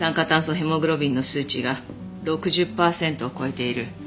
ヘモグロビンの数値が６０パーセントを超えている。